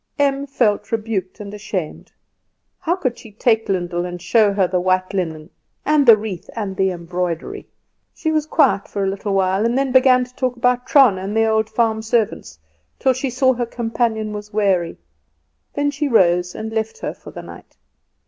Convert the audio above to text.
Em felt rebuked and ashamed. How could she take Lyndall and show her the white linen and the wreath, and the embroidery? She was quiet for a little while, and then began to talk about Trana and the old farm servants, till she saw her companion was weary; then she rose and left her for the night.